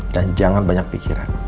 dan jangan banyak pikiran